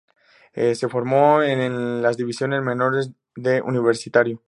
Se formó en las divisiones menores de Universitario.